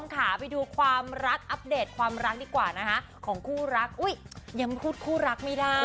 ไปดูความรักของคู่รัก